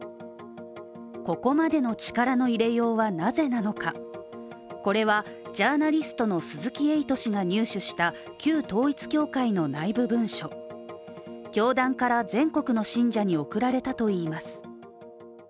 ここまでの力の入れようはなぜなのか、これはジャーナリストの鈴木エイト氏が入手した旧統一教会の内部文書教団から全国の信者に送られたといいます。